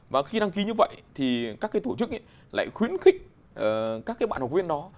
và khi đăng ký như vậy thì các tổ chức lại khuyến khích các bạn học viên đó